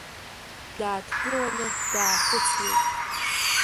Дааҭгыланы даахәыцуеит.